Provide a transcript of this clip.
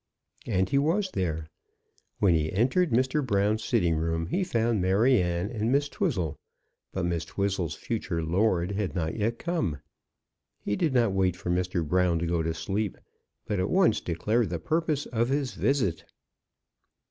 And he was there. When he entered Mr. Brown's sitting room he found Maryanne and Miss Twizzle, but Miss Twizzle's future lord had not yet come. He did not wait for Mr. Brown to go to sleep, but at once declared the purpose of his visit.